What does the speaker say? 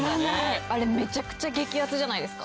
あれめちゃくちゃ激アツじゃないですか？